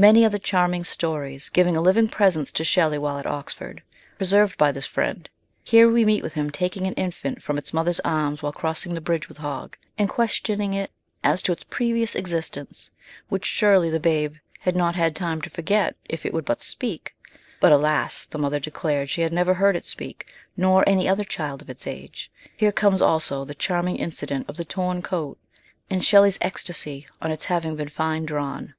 Many are the charming stories giving a living presence to Shelley while at Oxford, preserved by this friend ; here we meet with him taking an infant from its mother's arms while crossing the bridge with Hogg, and questioning it as to its previous existence, which surely the babe had not had time to forget if it would but speak but alas, the mother declared she had never heard it speak, nor any other child of its age ; here comes also the charming incident of the torn coat, and Shelley's ecstasy on its having been fine drawn.